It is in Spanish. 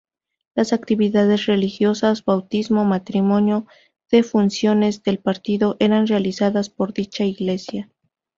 Las actividades religiosas, bautismo, matrimonio, de funciones del Partido eran realizadas por dicha iglesia.